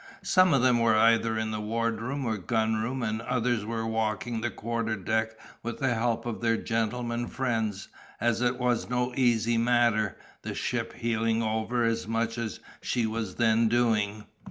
Some of them were either in the ward room or gun room, and others were walking the quarter deck with the help of their gentlemen friends, as it was no easy matter, the ship heeling over as much as she was then doing.